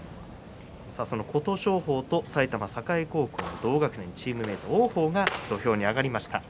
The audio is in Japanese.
琴勝峰と埼玉栄高校の同学年、チームメートの王鵬が土俵に上がりました。